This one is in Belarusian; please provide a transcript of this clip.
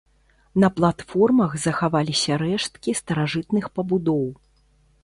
На платформах захаваліся рэшткі старажытных пабудоў.